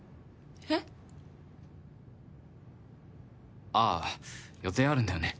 えっ？ああ予定あるんだよね。